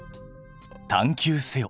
探究せよ！